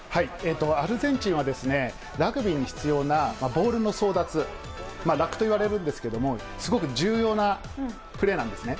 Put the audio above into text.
アルゼンチンはラグビーに必要なボールの争奪、ラックといわれるんですけれども、すごく重要なプレーなんですね。